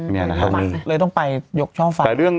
ต้องมาไปยกท่องฟัง